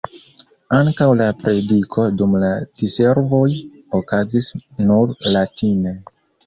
Ankaŭ la prediko dum la diservoj okazis nur latine.